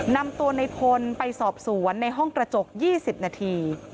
นำตัวในพลไปสอบสวนในห้องกระจก๒๐นาที